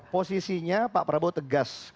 posisinya pak prabowo tegas